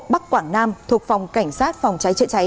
bắc quảng nam thuộc phòng cảnh sát phòng cháy chữa cháy